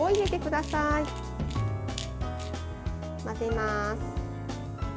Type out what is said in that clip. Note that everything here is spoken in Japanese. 混ぜます。